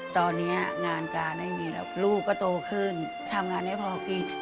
ตอนนี้งานการไม่มีแล้วลูกก็โตขึ้นทำงานให้พอกิน